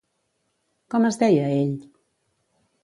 Com es deia, ell?